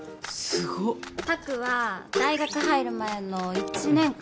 すご拓は大学入る前の１年間？